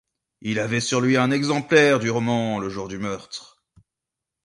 Il avait sur lui un exemplaire du roman le jour du meurtre.